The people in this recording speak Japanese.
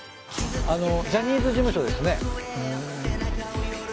あのジャニーズ事務所ですね。